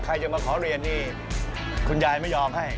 ใครจะมาขอเรียนนี่คุณยายไม่ยอมให้